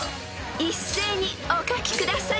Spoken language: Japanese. ［一斉にお書きください］